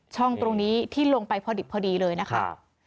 ช่องตรงนี้ที่ลงไปพอดิบพอดีเลยนะคะ